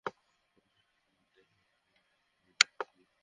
তোমার সাথে দেখা হয়ে ভালো লাগলো।